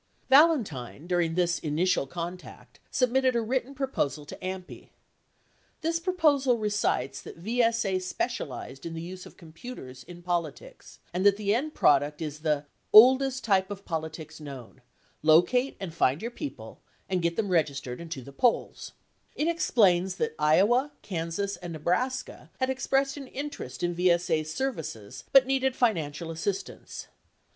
Valentine, during this initial contact, submitted a written proposal to AMPI. 8 This proposal recites that VSA specialized in the use of computers in politics and that the end product is the .. oldest type of politics known ... locate and find your people and get them registered and to the polls." 9 It explains that Iowa, Kansas, and Ne braska had expressed an interest in VSA's services but needed finan cial assistance.